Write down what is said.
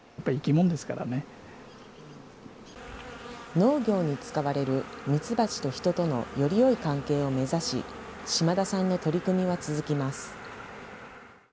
農業に使われるミツバチと人とのよりよい関係を目指し、島田さんの取り組みは続きます。